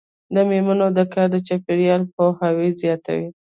د میرمنو کار د چاپیریال پوهاوی زیاتوي.